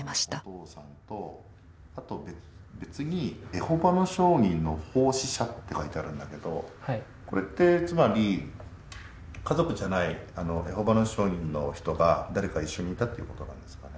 お父さんとあと別に「エホバの証人の奉仕者」って書いてあるんだけどこれってつまり家族じゃないエホバの証人の人が誰か一緒にいたっていうことなんですかね？